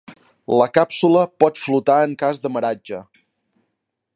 La càpsula pot flotar en cas d'amaratge.